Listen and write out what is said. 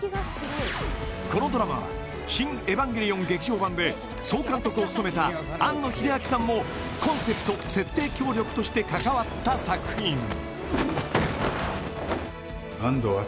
このドラマは「シン・エヴァンゲリオン劇場版」で総監督を務めた庵野秀明さんもコンセプト設定協力として関わった作品安堂麻